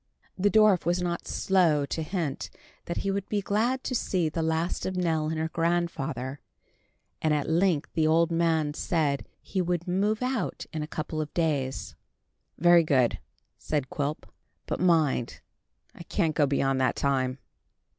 The dwarf was not slow to hint that he would be glad to see the last of Nell and her grandfather, and at length the old man said he would move out in a couple of days. "Very good," said Quilp; "but mind, I can't go beyond that time."